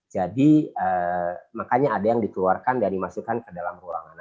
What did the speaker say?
jadi makanya ada yang dikeluarkan dan dimasukkan ke dalam ruangan